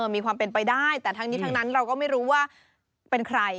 มีความเป็นไปได้แต่ทั้งนี้ทั้งนั้นเราก็ไม่รู้ว่าเป็นใคร